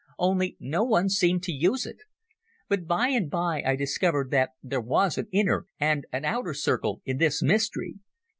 Only no one seemed to use it. "But by and by I discovered that there was an inner and an outer circle in this mystery.